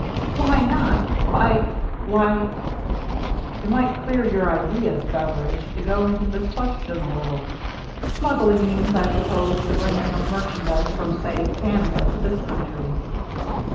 " Why not ! Why — why —"" It might clear your ideas, Beveridge, to go into this question a little. Smuggling means, I suppose, the bringing of merchandise from, say, Canada to this country."